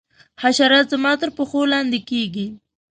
حشرات زما تر پښو لاندي کیږي.